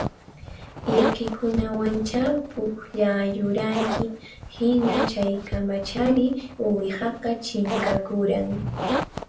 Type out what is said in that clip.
Irqikunawancha pukllayuranki hina chaykamachari uwihaqa chinkakuran